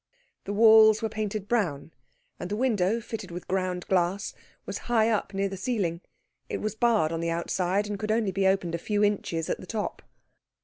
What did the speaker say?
The walls were painted brown, and the window, fitted with ground glass, was high up near the ceiling; it was barred on the outside, and could only be opened a few inches at the top.